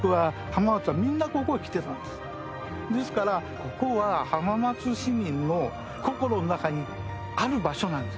ですからここは浜松市民の心の中にある場所なんです。